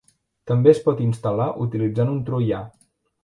També es pot instal·lar utilitzant un troià.